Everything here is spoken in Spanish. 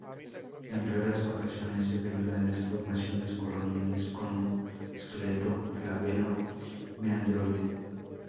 En raras ocasiones se ven grandes formaciones coloniales con un esqueleto flabelo-meandroide.